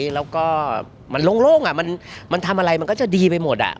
แล้วก็มันโล่งมันทำอะไรมันก็จะดีไปหมด